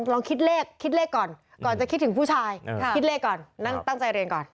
ลองคิดเลขก่อนจะคิดถึงผู้ชายคิดเลขก่อนนั่งตั้งใจเรียนก่อน